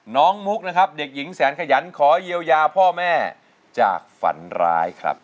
มุกนะครับเด็กหญิงแสนขยันขอเยียวยาพ่อแม่จากฝันร้ายครับ